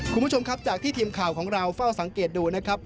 คุณผู้ชมครับจากที่ทีมข่าวของเราเฝ้าสังเกตดูนะครับ